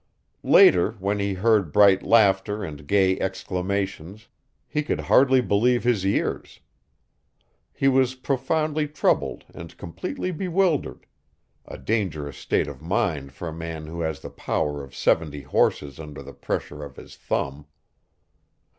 Later when he heard bright laughter and gay exclamations he could hardly believe his ears. He was profoundly troubled and completely bewildered a dangerous state of mind for a man who has the power of seventy horses under the pressure of his thumb.